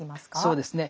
そうですね